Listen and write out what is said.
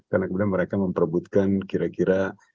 karena kemudian mereka memperbutkan kira kira segment bisnis yang serupa